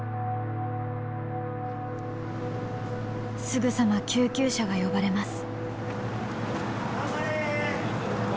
すぐさま救急車が呼ばれます。